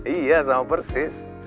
iya sama persis